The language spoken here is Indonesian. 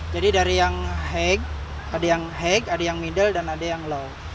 jadi dari yang high ada yang high ada yang middle dan ada yang low